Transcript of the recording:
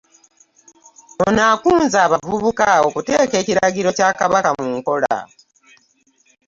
Ono akunze abavubuka okuteeka ekiragiro kya Kabaka mu nkola.